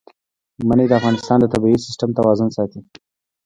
منی د افغانستان د طبعي سیسټم توازن ساتي.